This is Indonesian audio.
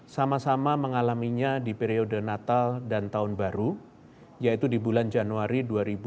sama sama mengalaminya di periode natal dan tahun baru yaitu di bulan januari dua ribu dua puluh